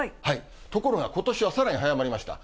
ところがことしはさらに早まりました。